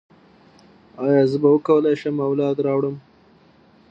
ایا زه به وکولی شم اولاد راوړم؟